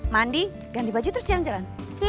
mandi ganti baju terus jalan jalan